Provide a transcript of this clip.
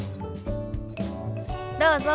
どうぞ。